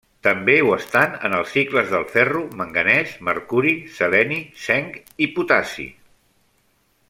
També ho estan en els cicles del ferro, manganès, mercuri, seleni, zinc i potassi.